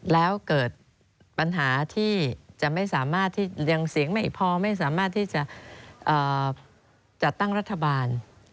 แล้วเกิดปัญหาที่ยังเสียงไม่พอไม่สามารถที่จะจัดตั้งรัฐบาล